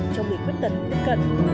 cho người khuyết tật nhất cần